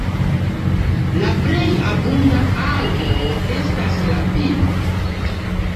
La plej abunda arbo estas la pino.